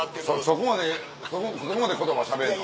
そこまでそこまで言葉しゃべんの？